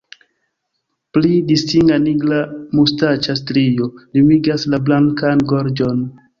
Pli distinga nigra mustaĉa strio limigas la blankan gorĝon.